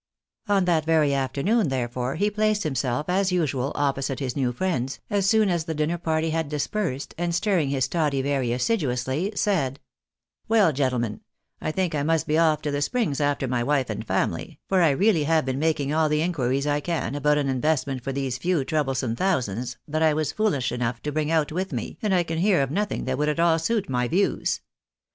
On that very afternoon, therefore, he placed himself, as usual, opposite his new friends, as soon as the dinner party had dispersed, and stirring his toddy very assiduously, said —" Well, gentlemen, I think I must be off to the springs after my wife and family, for I really have been making all the inquiries I can about an investment for these few troublesome thousands, that I was foolish enough to bring out with me, and I can hear of nothing that would at all suit my views.